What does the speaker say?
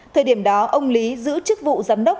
thời điểm đó ông lý giữ chức vụ giám đốc